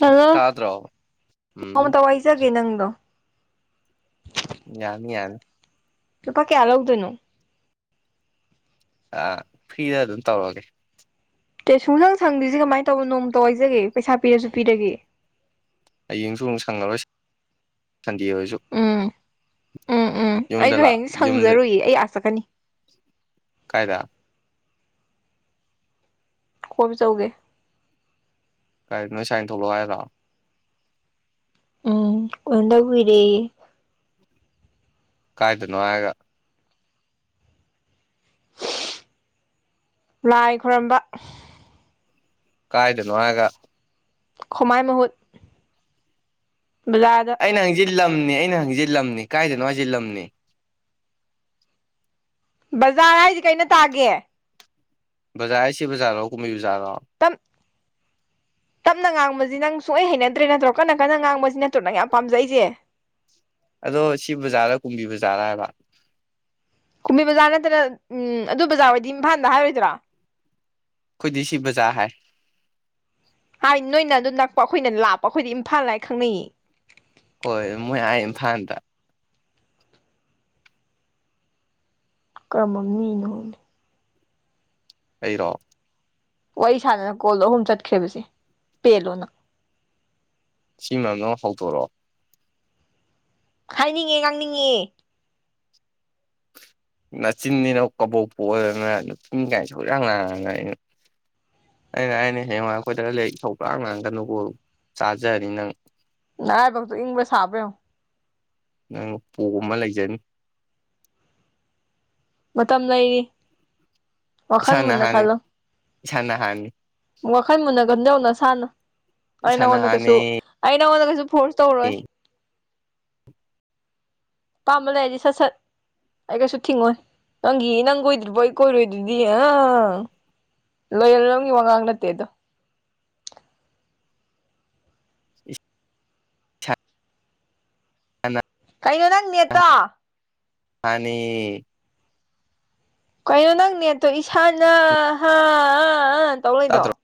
Hello ꯇꯥꯗ꯭ꯔꯣ ꯎꯝ ꯅꯣꯡꯃꯇ ꯋꯥꯏꯖꯒꯦ ꯅꯪꯗꯣ ꯌꯥꯅꯤ ꯌꯥꯅꯤ ꯂꯨꯄꯥ ꯀꯌꯥ ꯂꯧꯗꯣꯏꯅꯣ ꯑ ꯐ꯭ꯔꯤꯗ ꯑꯗꯨꯝ ꯇꯧꯔꯒꯦ ꯀꯩꯁꯨ ꯅꯪ ꯁꯪꯗꯦꯁꯦ ꯀꯃꯥꯏꯅ ꯇꯧꯕꯅ ꯅꯣꯡꯃꯇ ꯋꯥꯏꯖꯒꯦ ꯄꯩꯁꯥ ꯄꯤꯔꯁꯨ ꯄꯤꯔꯒꯦ ꯍꯌꯦꯡꯁꯨ ꯑꯃꯨꯛ ꯁꯪꯉꯔꯣꯏ ꯁꯟꯗꯦ ꯑꯣꯏꯔꯁꯨ ꯎꯝ ꯎꯝ ꯎꯝ ꯑꯩꯁꯨ ꯂꯥꯛ ꯍꯌꯦꯡꯁꯦ ꯌꯨꯝꯗ ꯁꯪꯖꯔꯨꯏ ꯑꯩ ꯑꯥ ꯆꯠꯀꯅꯤ ꯀꯥꯏꯗ ꯀꯣꯏꯕ ꯆꯠꯂꯨꯒꯦ ꯀꯥꯏꯗ ꯅꯣꯏ ꯁꯥꯏꯅ ꯊꯣꯛꯂꯛꯑꯣ ꯍꯥꯏꯔꯣ ꯎꯝ ꯎꯅꯗ ꯀꯨꯏꯔꯦꯌꯦ ꯀꯥꯏꯗꯅꯣ ꯍꯥꯏꯔꯒ ꯂꯥꯏ ꯈꯣꯏꯔꯝꯕ ꯀꯥꯏꯗꯅꯣ ꯍꯥꯏꯒ ꯈꯣꯃꯥꯏ ꯃꯍꯨꯠ ꯕꯖ ꯑꯩꯅ ꯍꯪꯁꯤ ꯂꯝꯅꯤ ꯑꯩꯅ ꯍꯪꯁꯤ ꯂꯝꯅꯤ ꯀꯥꯏꯗꯅꯣ ꯍꯥꯏꯁꯦ ꯂꯝꯅꯤ ꯕꯖꯥꯔ ꯍꯥꯏꯗꯤ ꯀꯩꯅ ꯇꯥꯒꯦ ꯕꯖꯥꯔ ꯍꯥꯏꯁꯤ ꯕꯖꯥꯔꯣ ꯀꯨꯝꯍꯕꯤ ꯕꯥꯖꯔꯣ ꯇꯞ ꯇꯞꯅ ꯉꯥꯡꯕꯁꯤ ꯅꯪ ꯁꯨꯡꯛꯩ ꯍꯩꯅꯗ꯭ꯔꯦ ꯅꯠꯇ꯭ꯔꯣ ꯀꯟꯅ ꯀꯟꯅ ꯉꯥꯡꯕꯁꯤ ꯅꯠꯇ꯭ꯔꯣ ꯅꯪ ꯌꯥꯝ ꯄꯥꯝꯖꯩꯁꯦ ꯑꯗꯣ ꯁꯤ ꯕꯖꯥꯔ ꯀꯨꯝꯕꯤ ꯕꯖꯥꯔꯔ ꯍꯥꯏꯕ ꯀꯨꯝꯕꯤ ꯕꯖꯥꯔ ꯅꯠꯇꯅ ꯎꯝ ꯑꯗꯨ ꯕꯖꯥꯔ ꯑꯣꯏꯗꯤ ꯏꯝꯐꯥꯜꯗ ꯍꯥꯏꯔꯣꯏꯗꯔꯣ ꯑꯩꯈꯣꯏꯗꯤ ꯁꯤ ꯕꯖꯥꯔ ꯍꯥꯏ ꯍꯥꯏ ꯅꯣꯏꯅ ꯑꯗꯨꯝ ꯅꯛꯄ ꯑꯩꯈꯣꯏꯅ ꯂꯥꯛꯞꯄ ꯑꯩꯈꯣꯏꯗꯤ ꯏꯝꯐꯥꯜ ꯍꯥꯏꯅ ꯈꯪꯅꯩꯌꯦ ꯍꯣꯏ ꯃꯣꯏ ꯑꯥ ꯏꯝꯐꯥꯜꯗ ꯀꯔꯝꯕ ꯃꯤꯅꯣ ꯈꯪꯗꯦ ꯑꯩꯔꯣ ꯋꯥꯔꯤ ꯁꯥꯗꯅ ꯀꯣꯜꯗꯣ ꯑꯍꯨꯝ ꯆꯠꯈ꯭ꯔꯦꯕꯁꯦ ꯄꯦꯜꯂꯣ ꯅꯪ ꯁꯤ ꯃꯔꯝꯗ ꯍꯧꯗꯣꯔꯛꯑꯣ ꯍꯥꯏꯅꯤꯡꯉꯦ ꯉꯥꯡꯅꯤꯡꯉꯦ ꯅꯆꯤꯟꯅꯤꯅꯥ ꯀꯕꯣꯛꯄꯣꯛ ꯑꯣꯏꯔꯅ ꯅꯨꯄꯤ ꯀꯥꯏꯁꯨ ꯍꯔꯥꯡ ꯉꯥꯡꯅ ꯑꯩꯅ [inaudible] ꯑꯩꯅ ꯍꯩꯅꯤ ꯍꯌꯦꯡꯋꯥꯥꯡ ꯑꯩꯈꯣꯏꯗ ꯂꯩ ꯊꯧ ꯂꯡ ꯉꯥꯡꯒꯅꯨꯀꯣ ꯆꯥꯖꯅꯤ ꯅꯪ ꯅꯥꯔꯥꯢꯕꯥꯛꯗꯣ ꯏꯪꯕ꯭ꯔ ꯁꯥꯕ꯭ꯔꯣ ꯌꯦꯡꯉꯣ ꯅꯪ ꯄꯨꯝꯃꯥ ꯂꯩꯖꯅꯤ ꯃꯇꯝ ꯂꯩꯔꯤ ꯋꯥꯈꯜ ꯏꯁꯥꯅ ꯃꯨꯟꯅ ꯍꯥꯟꯅꯤ ꯈꯜꯂꯣ ꯏꯁꯥꯅ ꯍꯥꯟꯅꯤ ꯋꯥꯈꯜ ꯃꯨꯟꯅ ꯈꯟꯗꯧꯅ ꯁꯥꯥꯟꯅ ꯑꯩ ꯏꯁꯥꯅ ꯅꯉꯣꯟꯗ ꯀꯩꯁꯨ ꯍꯥꯟꯅꯤ ꯑꯩ ꯅꯪꯉꯣꯟꯗ ꯀꯩꯁꯨ ꯐꯣꯔꯁ ꯇꯧꯔꯣꯏ ꯑꯄꯝꯕ ꯂꯩꯔꯗꯤ ꯁꯠꯁꯠ ꯑꯩ ꯒꯩꯁꯨ ꯊꯤꯡꯉꯣ ꯅꯪꯒꯤ ꯅꯪ ꯀꯣꯏꯗ꯭ꯔꯤꯐꯧ ꯀꯣꯏꯔꯣꯏ ꯗꯨꯗꯤ ꯑꯥ ꯂꯣꯌꯦꯜ ꯅꯣꯝꯒꯤ ꯋꯥꯉꯥꯡ ꯅꯠꯇꯦ ꯑꯗꯣ [inaudible] ꯀꯩꯅꯣ ꯅꯪ ꯅꯦꯠꯇꯣ ꯃꯥꯅꯦ ꯀꯩꯅꯣ ꯅꯪ ꯅꯦꯠꯇꯣ ꯏꯁꯥꯅꯍ ꯇꯧꯔꯂꯩꯗꯣ ꯇꯥꯗ꯭ꯔꯣ [inaudible]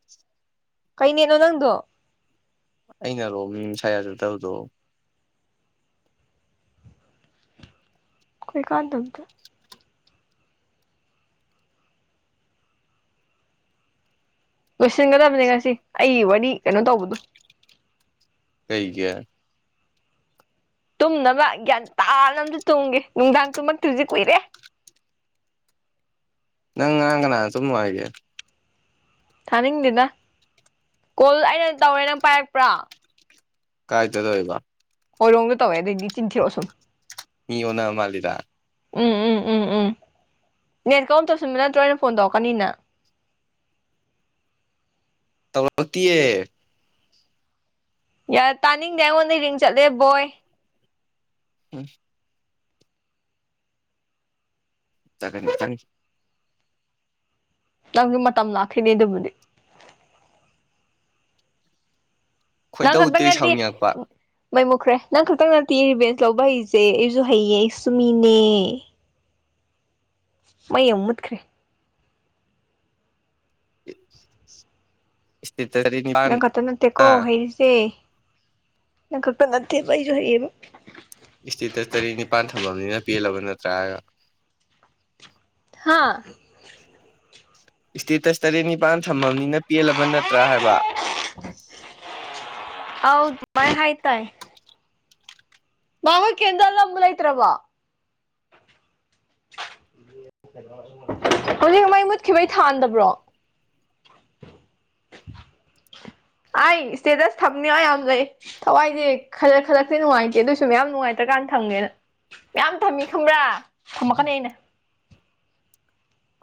ꯀꯩ ꯅꯦꯠꯅꯣ ꯅꯪꯗꯣ ꯑꯩꯅꯔꯣ ꯃꯁꯥꯅ ꯋꯗꯕꯁꯤꯕꯨ ꯀꯩ ꯀꯥꯟꯗꯕꯗꯥ ꯂꯣꯏꯁꯤꯟꯒꯗꯕꯅꯤ ꯉꯁꯤ ꯑꯩ ꯋꯥꯔꯤ ꯀꯩꯅꯣ ꯇꯧꯕꯗꯣ ꯀꯩꯒꯤ ꯇꯨꯝꯅꯕ ꯒ꯭ꯌꯥꯟ ꯇꯥꯅ ꯑꯝꯇ ꯇꯣꯡꯒꯦ ꯅꯨꯡꯗꯥꯡ ꯇꯨꯝꯃꯛꯇ꯭ꯔꯤꯁꯦ ꯀꯨꯏꯔꯦ ꯅꯪ ꯉꯔꯥꯡ ꯀꯅꯅꯥ ꯇꯨꯝꯅꯨ ꯍꯥꯏꯒꯦ ꯊꯥꯅꯤꯡꯗꯦꯗ ꯀꯣꯜ ꯑꯩꯅ ꯇꯧꯔꯦ ꯅꯪ ꯄꯥꯏꯔꯛꯄ꯭ꯔꯣ ꯀꯥꯏꯗ ꯇꯧꯔꯤꯕ ꯍꯣꯏꯔꯣꯡꯗ ꯇꯧꯋꯦ ꯑꯩꯗꯤ ꯆꯤꯟꯊꯤꯔꯛꯑꯣ ꯁꯨꯝ ꯍꯤ ꯑꯣꯟꯅ ꯃꯜꯂꯤꯗ ꯎꯝ ꯎꯝ ꯎꯝ ꯎꯝ ꯅꯦꯠ ꯑꯣꯐ ꯇꯧꯁꯤꯟꯕ ꯅꯠꯇ꯭ꯔꯣ ꯑꯩꯅ ꯐꯣꯟ ꯇꯧꯔꯛꯀꯅꯤꯅ ꯇꯧꯔꯛꯇꯤꯌꯦ ꯌꯥ ꯇꯥꯅꯤꯡꯗꯦ ꯑꯩꯉꯣꯟꯗ ꯔꯤꯡ ꯆꯠꯂꯦ ꯕꯣꯏ ꯍꯥꯝ [inaudible] [inaudible] ꯅꯪꯁꯨ ꯃꯇꯝ ꯂꯥꯛꯈꯤꯅꯦ ꯑꯗꯨꯕꯨꯗꯤ ꯅꯪ ꯈꯣꯏꯗꯧꯗꯤ ꯈꯛꯗꯪ ꯅꯠꯇꯦ ꯁꯥꯎꯅꯤꯡꯉꯛꯄ ꯃꯩ ꯃꯨꯠꯈ꯭ꯔꯦ ꯅꯪ ꯈꯛꯇꯪ ꯅꯠꯇꯦꯌꯦ ꯔꯤꯕꯦꯟꯁ ꯂꯧꯕ ꯍꯩꯔꯤꯁꯦ ꯑꯩꯁꯨ ꯍꯩꯌꯦ ꯑꯩꯁꯨ ꯃꯤꯅꯦ ꯃꯩ ꯑꯃꯨꯛ ꯃꯨꯠꯈ꯭ꯔꯦ [unintelligible] [inaudible] ꯅꯪ ꯈꯛꯇꯥ ꯅꯠꯇꯦꯀꯣ ꯑꯥ ꯍꯩꯔꯤꯁꯦ ꯅꯪ ꯈꯛꯇ ꯅꯠꯇꯦꯕ ꯑꯩꯁꯨ ꯍꯩꯌꯦꯕ ꯏꯁꯇꯦꯇꯁ ꯇꯔꯦꯠ ꯅꯤꯄꯥꯟ ꯊꯝꯃꯕꯅꯤꯅ ꯄꯦꯜꯂꯕ ꯅꯠꯇ꯭ꯔꯥ ꯍꯥꯏꯌꯣ ꯍꯥꯥ ꯏꯁꯇꯦꯇꯁ ꯇꯔꯦꯠ ꯅꯤꯄꯥꯟ ꯊꯝꯃꯕꯅꯤꯅ ꯄꯦꯜꯂꯕ ꯅꯠꯇ꯭ꯔꯥ ꯍꯥꯏꯕ [unintelligible] ꯑꯧ ꯗꯨꯃꯥꯏ ꯍꯥꯏ ꯇꯥꯏ ꯃꯥ ꯈꯣꯏ ꯀꯦꯟꯗꯜ ꯑꯝꯐꯥꯎ ꯂꯩꯇ꯭ꯔꯥꯕꯣ [unintelligible] ꯍꯧꯖꯤꯛ ꯃꯩ ꯃꯨꯠꯈꯤꯕꯩ ꯊꯥꯟꯗꯕ꯭ꯔꯣ ꯑꯩ ꯏꯁꯇꯦꯇꯁ ꯊꯝꯅꯤꯡꯉꯥꯏ ꯌꯥꯝ ꯂꯩ ꯊꯋꯥꯏꯁꯦ ꯈꯔ ꯈꯔꯐꯦꯠ ꯅꯨꯡꯉꯥꯏꯇꯦ ꯑꯗꯨꯑꯣꯏꯁꯨ ꯃꯌꯥꯝ ꯅꯨꯡꯉꯥꯏꯇ꯭ꯔꯀꯥꯟꯗ ꯊꯝꯒꯦꯅ ꯌꯥꯝ ꯊꯝꯃꯤ ꯈꯝꯕ꯭ꯔꯥ ꯊꯝꯃꯛꯀꯅꯤ ꯑꯩꯅ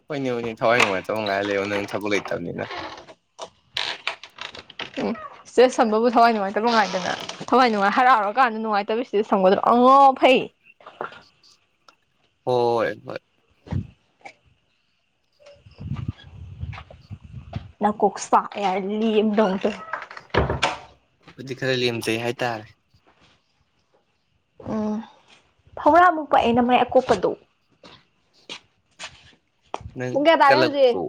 ꯍꯣꯏꯅꯦ ꯍꯣꯏꯅꯦ ꯊꯋꯥꯏ ꯅꯨꯡꯉꯥꯏꯇꯕ ꯉꯥꯏ ꯂꯩꯌꯣ ꯅꯪ ꯊꯕꯛ ꯂꯩꯇꯕꯅꯤꯅ ꯎꯝ ꯏꯁꯇꯦꯇꯁ ꯊꯝꯕꯕꯨ ꯊꯋꯥꯏ ꯅꯨꯡꯉꯥꯏꯇꯕ ꯉꯥꯏꯒꯗ꯭ꯔꯥ ꯊꯋꯥꯏ ꯅꯨꯡꯉꯥꯏ ꯍꯔꯥꯎꯔꯀꯥꯟꯗ ꯅꯨꯡꯉꯥꯏꯇꯕꯒꯤ ꯏꯁꯇꯦꯇꯁ ꯊꯝꯒꯗ꯭ꯔꯣ ꯑꯉꯥꯎ ꯑꯐꯩ ꯍꯣꯏ ꯍꯣꯏ [unintelligible] ꯅꯀꯣꯛ ꯆꯥꯛꯑꯦ ꯍꯥꯏꯔꯗꯤ [unintelligible] ꯈꯣꯏꯗꯤ ꯈꯔ ꯂꯦꯝꯖꯩ ꯍꯥꯏꯇꯥꯔꯦ ꯎꯝ ꯐꯧꯔꯥ ꯃꯨꯛ ꯄꯥꯛꯑꯦ ꯅꯃꯥꯏ ꯑꯀꯣꯞꯄꯗꯣ ꯅꯪ ꯄꯨꯡ ꯀꯌꯥ ꯇꯥꯔꯦ ꯍꯧꯖꯤꯛ ꯀꯥꯂꯛꯄ꯭ꯔꯣ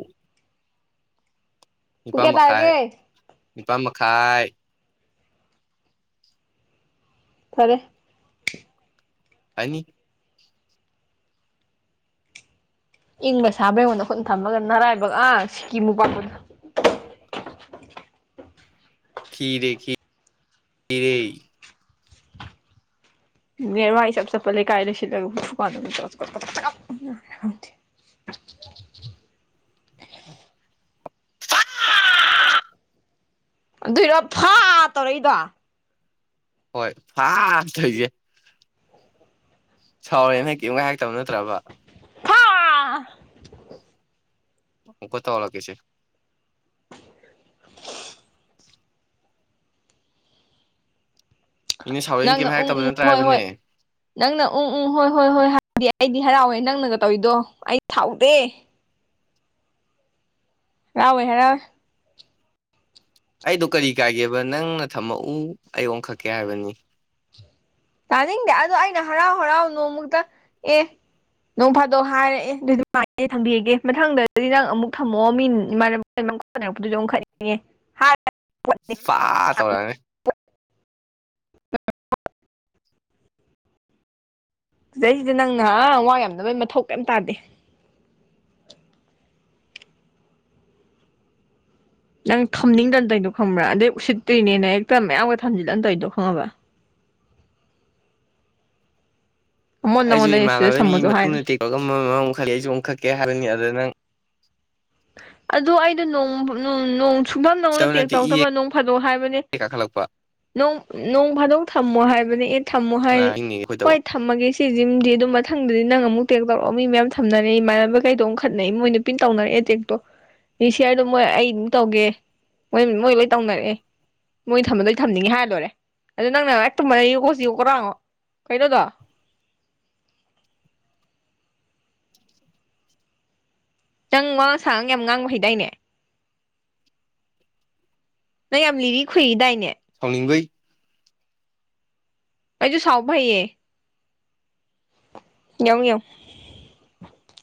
ꯄꯨꯡ ꯅꯤꯄꯥꯥꯟ ꯀꯌꯥ ꯃꯈꯥꯏ ꯇꯥꯔꯒꯦ ꯅꯤꯄꯥꯥꯟ ꯃꯈꯥꯏ ꯐꯔꯦ ꯑꯅꯤ ꯏꯪꯕ꯭ꯔꯥ ꯁꯥꯕ꯭ꯔꯥ ꯌꯦꯡꯉꯣ ꯅꯈꯨꯠꯅꯥ ꯊꯝꯃꯒ ꯅꯔꯥꯏꯕꯛ ꯑꯥ ꯁꯤꯀꯤ ꯃꯨꯛ ꯄꯥꯛꯄꯗꯣ ꯈꯤꯔꯦ ꯈꯤ ꯈꯤꯔꯦ [unintelligible] ꯑꯗꯨꯏꯔꯣ ꯐꯥ ꯇꯧꯔꯛꯏꯗꯣ ꯍꯣꯏ [unintelligible] ꯁꯥꯎꯔꯦꯅ ꯀꯦꯝꯒ ꯍꯥꯏꯔꯛꯇꯕ ꯅꯠꯇ꯭ꯔꯕ ꯐꯥ ꯑꯃꯨꯛꯀꯥ ꯇꯧꯍꯜꯂꯛꯀꯦꯁꯦ [unintelligible] ꯃꯤꯅ ꯁꯥꯎꯔꯦꯅ ꯀꯦꯝ ꯍꯥꯏꯔꯛꯇꯕ ꯅꯠꯇ꯭ꯔ ꯍꯥꯏꯕꯅꯦ ꯅꯪꯅ ꯎꯝ ꯎꯝ ꯍꯣꯏ ꯍꯣꯏ ꯍꯣꯏ ꯍꯣꯏ [unintelligible] ꯑꯩꯗꯤ ꯍꯔꯥꯎꯋꯦ ꯅꯪꯅꯒ ꯇꯧꯔꯤꯗꯣ ꯑꯩ ꯊꯥꯎꯗꯦ ꯍꯔꯥꯎꯋꯦꯍꯦ ꯑꯩꯗꯣ ꯀꯔꯤ ꯀꯥꯏꯒꯦꯕ ꯅꯪꯅ ꯊꯝꯃꯛꯎ ꯑꯩ ꯑꯣꯟꯈꯠꯀꯦ ꯍꯥꯏꯕꯅꯤ ꯇꯥꯅꯤꯡꯗꯦ ꯑꯗꯣ ꯑꯩꯅ ꯍꯔꯥꯎ ꯍꯔꯥꯎ ꯅꯣꯡꯃꯈꯛꯇꯪ ꯑꯦ ꯅꯣꯡ ꯐꯥꯗꯣꯛ ꯍꯥꯏꯔꯛꯑꯦ [unintelligible] ꯊꯝꯕꯤꯔꯒꯦ ꯃꯊꯪꯗꯗꯤ ꯅꯪ ꯑꯃꯨꯛ ꯊꯝꯃꯑꯣ ꯃꯤꯅ ꯏꯃꯥꯅ [unintelligible] ꯐꯥ ꯇꯧꯔꯛꯑꯅꯤ ꯁꯤꯗꯩꯁꯤꯗ ꯅꯪꯅ ꯑꯥ ꯋꯥ ꯌꯥꯝꯅꯕꯒꯤ ꯃꯊꯧ ꯀꯦꯝ ꯇꯥꯗꯦ ꯅꯪ ꯊꯝꯅꯤꯡꯗꯗꯅ ꯇꯩꯔꯤꯗꯣ ꯈꯪꯕ꯭ꯔꯥ ꯑꯗꯩ ꯎꯁꯤꯠꯇ꯭ꯔꯤꯅꯦꯅ ꯍꯦꯛꯇ ꯃꯌꯥꯝꯒ ꯊꯝꯖꯤꯜꯂꯒ ꯇꯧꯔꯤꯗꯣ ꯈꯪꯉꯕ ꯑꯃ ꯑꯩꯁꯨ ꯅꯪꯉꯣꯟꯗ ꯑꯩꯅ ꯁꯤꯗ ꯏꯃꯥꯟꯅꯕ ꯃꯤ ꯁꯝꯃꯣꯁꯨ ꯃꯇꯨꯅ ꯍꯥꯏꯔꯣꯏ ꯇꯦꯛ [unintelligible] ꯃꯔꯣꯜ ꯑꯃꯥ ꯑꯃꯨꯛ [unintelligible] ꯑꯩꯁꯨ ꯑꯃꯨꯛꯈꯛꯀꯦ ꯍꯥꯏꯕꯅꯤ ꯑꯗꯨꯗ ꯅꯪ ꯑꯗꯨ ꯑꯩꯗꯣ ꯅꯣꯡ ꯅꯣꯡ ꯅꯣꯡ ꯁꯤꯇꯕ [unintelligible] ꯇꯦꯛ ꯅꯠꯇꯦ ꯏ ꯇꯧꯗꯕ ꯅꯣꯡ ꯐꯥꯗꯣꯛ ꯍꯥꯏꯕꯅꯦ ꯀꯥꯈꯠꯂꯛꯄ ꯅꯣꯡ ꯅꯣꯡ ꯐꯥꯗꯣꯛ ꯊꯝꯃꯣ ꯍꯥꯏꯕꯅꯦ ꯑꯦ ꯊꯝꯃꯣ ꯀꯅꯥ ꯍꯥꯏꯔꯦ ꯍꯤꯡꯅꯤꯒꯦ ꯑꯩꯈꯣꯏ ꯇꯧ ꯍꯣꯏ ꯊꯝꯃꯒꯦ ꯁꯤꯁꯤꯝꯗꯤ ꯑꯗꯨꯝ ꯃꯊꯪꯗꯗꯤ ꯅꯪ ꯑꯃꯨꯛ ꯇꯦꯛ ꯇꯧꯔꯛꯑꯣ ꯃꯤ ꯃꯌꯥꯝ ꯊꯝꯅꯔꯦ ꯏꯃꯥꯟꯅꯕ ꯈꯩꯗꯣ [unintelligible] ꯃꯣꯏ ꯅꯨꯄꯤꯅ ꯇꯧꯅꯔꯛꯑꯦ ꯇꯦꯛ ꯄꯣ ꯔꯤꯁꯤꯌꯥꯔꯗꯣ ꯃꯣꯏ ꯑꯩ ꯑꯗꯨꯝ ꯇꯧꯒꯦ ꯃꯣꯏ ꯃꯣꯏ ꯂꯣꯏ ꯇꯧꯅꯔꯛꯑꯦ ꯃꯣꯏ ꯊꯝꯕꯗꯗꯤ ꯊꯝꯅꯤꯡꯉꯦ ꯍꯥꯏꯂꯣꯏꯔꯦ ꯑꯗꯨ ꯅꯪꯅ ꯍꯦꯛ ꯇꯨꯝꯃ [unintelligible] ꯅꯪ ꯋꯥꯥꯉꯥꯡ ꯁꯉꯥꯡ ꯌꯥꯝ ꯉꯥꯡꯕ ꯍꯩꯗꯥꯏꯅꯦ ꯅꯪ ꯌꯥꯝ ꯂꯤꯔꯤ ꯈꯨꯨꯏꯗꯥꯏꯅꯦ ꯁꯥꯎꯅꯤꯡꯕꯩ ꯑꯩꯁꯨ ꯁꯥꯎꯕ ꯍꯩꯌꯦ ꯌꯦꯡꯎ ꯌꯦꯡꯎ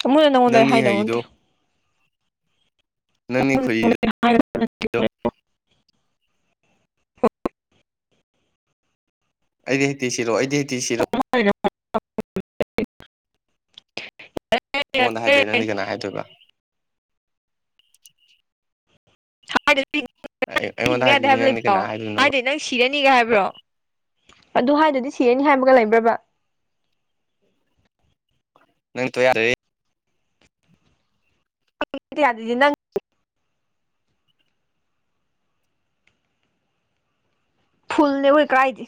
ꯑꯃꯨꯡꯅ ꯅꯪꯉꯣꯟꯗ ꯅꯪꯅꯤ ꯍꯥꯏꯗꯧ ꯍꯩꯔꯤꯗꯣ ꯅꯠꯇꯦ ꯅꯪꯗꯤ ꯈꯨꯏꯗ [unintelligible] ꯑꯩꯗꯤ ꯍꯦꯇꯤ ꯁꯤꯂꯣ ꯑꯤꯗꯤ ꯍꯦꯇꯤ ꯁꯤꯂꯣ꯫ [unintelligible] ꯑꯩꯉꯣꯟꯗ ꯍꯥꯏꯗꯣꯏ ꯅꯪꯗꯤ ꯀꯅꯥ ꯍꯥꯏꯗꯣꯏꯕ ꯑꯩꯉꯣꯟꯗ ꯊꯤꯡꯕ ꯌꯥꯗꯦ ꯍꯥꯏꯗꯣꯏꯗꯤ ꯍꯥꯏꯕ ꯅꯪꯗꯤ ꯂꯩꯕ꯭ꯔꯣ ꯀꯅꯥ ꯍꯥꯏꯗꯣꯏꯅꯣꯕ ꯍꯥꯏꯗꯤ ꯅꯪ ꯁꯤꯔꯅꯤꯒ ꯍꯥꯏꯕ꯭ꯔꯣ ꯑꯗꯨ ꯍꯥꯏꯗ꯭ꯔꯗꯤ ꯁꯤꯔꯅꯤ ꯍꯥꯏꯕꯒ ꯂꯩꯕ꯭ꯔꯕꯥ ꯅꯪ ꯇꯣ ꯌꯥꯔꯦ꯫ ꯌꯥꯌꯥꯗꯗꯤ ꯅꯪ ꯐꯨꯜꯅꯦ ꯑꯩꯈꯣꯏ ꯀꯥꯏꯗꯤ꯫